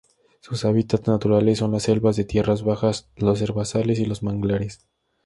Sus hábitats naturales son las selvas de tierras bajas, los herbazales y los manglares.